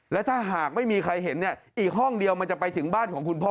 และถ้าหากไม่มีใครเห็นเนี่ยอีกห้องเดียวมันจะไปถึงบ้านของคุณพ่อ